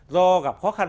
do gặp khó khăn